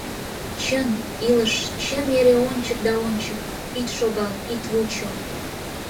Чын, илыш, чыме эре ончык да ончык, ит шогал, ит вучо.